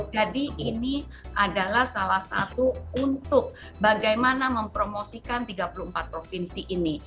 jadi ini adalah salah satu untuk bagaimana mempromosikan tiga puluh empat provinsi ini